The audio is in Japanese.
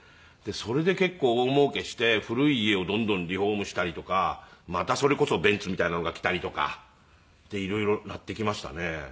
それで結構大もうけして古い家をどんどんリフォームしたりとかまたそれこそベンツみたいなのが来たりとかって色々なってきましたね。